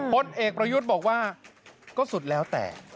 พลเอกประยุทธ์บอกว่าก็สุดแล้วแต่